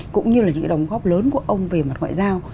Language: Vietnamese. cũng như là những đóng góp lớn của ông về mặt ngoại giao